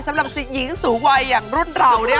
สำหรับหญิงสูงวัยอย่างรุ่นเราเนี่ย